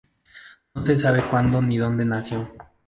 No se sabe cuándo ni dónde nació.